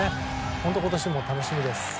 本当、今年も楽しみです。